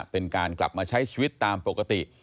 เป็นการกลับมาใช้ชีวิตตามปกติ